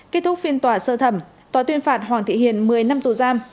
kết thúc phiên tòa sơ thẩm tòa tuyên phạt hoàng thị hiền một mươi năm tù giam